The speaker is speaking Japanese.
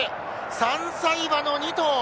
３歳馬の２頭。